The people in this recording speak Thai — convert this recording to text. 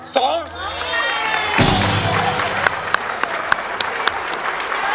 ดี